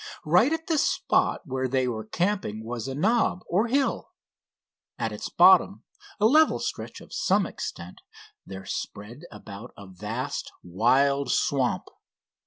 Right at the spot where they were camping was a knob, or hill. At its bottom, a level stretch of some extent, there spread about a vast, wild swamp.